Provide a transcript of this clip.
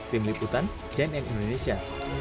tim liputan cnn indonesia